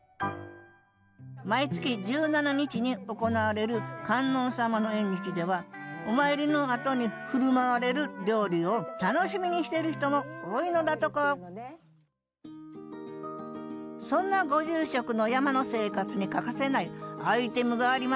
毎月１７日に行われる観音様の縁日ではお参りのあとに振る舞われる料理を楽しみにしている人も多いのだとかそんなご住職の山の生活に欠かせないアイテムがあります。